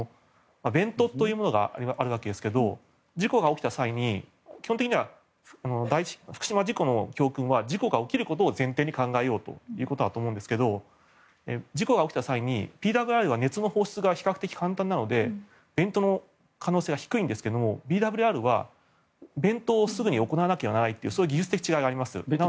ベントというものがあるわけですが事故が起きた際に基本的には福島事故の教訓は事故が起きることを前提に考えようということだと思いますが、事故が起きた際にＰＷＲは熱の放出が比較的簡単なのでベントの可能性が低いんですがＢＷＲはベントをすぐに行わなければならないというそういう技術的違いがあります。